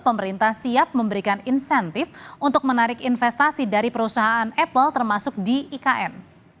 pemerintah siap memberikan insentif untuk menarik investasi dari perusahaan apple termasuk di ikn